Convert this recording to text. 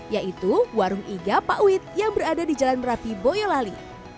yaitu warung iga pak wit yang berada di jalan merapi boyolali